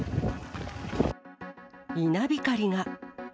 稲光が。